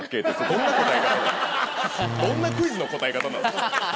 どんなクイズの答え方なん？